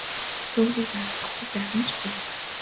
Бас өөрийгөө алдахгүй байх нь чухал.